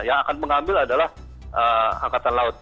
yang akan mengambil adalah angkatan laut